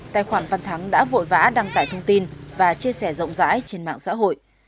tài khoản văn thắng đã vội vã đăng tải thông tin và chia sẻ rộng rãi trên mạng xã hội